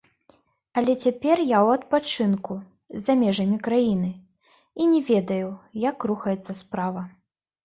Але цяпер я ў адпачынку, за межамі краіны, і не ведаю, як рухаецца справа.